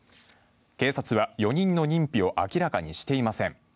警察は４人の認否を明らかにしていません。